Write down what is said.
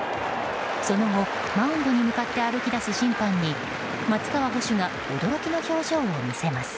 その後、マウンドに向かって歩き出す審判に松川捕手が驚きの表情を見せます。